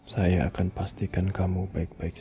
saya akan pastikan kamu baik baik saja